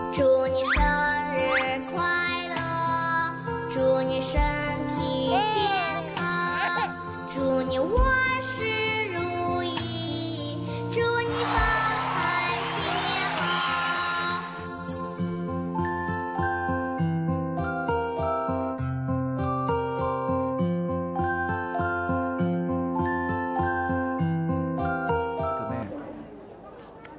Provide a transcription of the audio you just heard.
จุนิวว่าสิรุยีจุนิฟังแฮปสิเมียห่อ